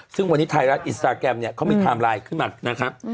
ซึ่งวันนี้ไทยรัฐอินสตาแกรมเนี่ยเขามีไทม์ไลน์ขึ้นมานะครับ